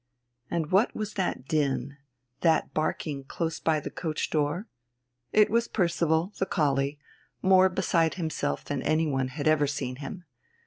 And what was that din, that barking close by the coach door? It was Percival, the collie, more beside himself than anyone had ever seen him.